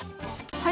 はい。